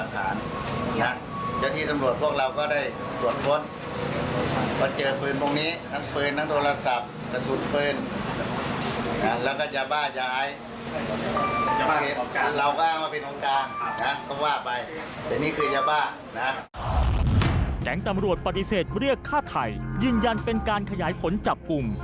แก๊งตำรวจปฏิเสธเรียกฆ่าไทยยืนยันเป็นการขยายผลจับกลุ่ม